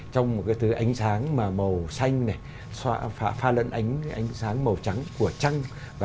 trong một cái tư ánh sáng mà màu xanh này pha lẫn ánh ánh sáng màu trắng của trăng